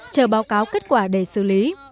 chờ báo cáo kết quả để xử lý